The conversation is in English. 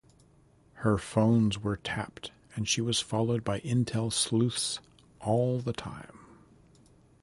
Her phones were tapped and she was followed by intel sleuths all the time.